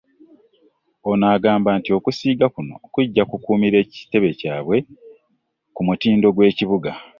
Ono agamba nti okusiiga kuno kuggya kukuumira ekitebe kyabwe ku mutindo gw'ekibuga